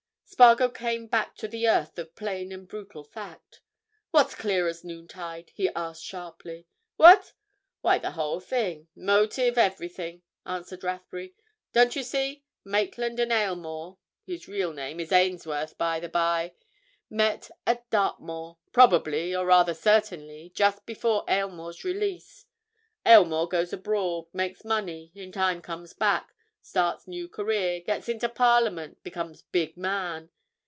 Spargo came back to the earth of plain and brutal fact. "What's clear as noontide?" he asked sharply. "What? Why, the whole thing! Motive—everything," answered Rathbury. "Don't you see, Maitland and Aylmore (his real name is Ainsworth, by the by) meet at Dartmoor, probably, or, rather, certainly, just before Aylmore's release. Aylmore goes abroad, makes money, in time comes back, starts new career, gets into Parliament, becomes big man.